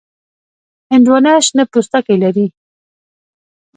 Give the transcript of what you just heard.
هندوانه شنه پوستکی لري.